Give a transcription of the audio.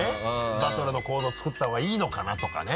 バトルの構図を作った方がいいのかなとかね。